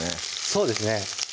そうですね